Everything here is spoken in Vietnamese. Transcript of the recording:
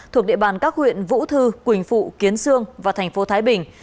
thuộc địa bàn các huyện vũ thư quỳnh phụ kiến sương và tp thái bình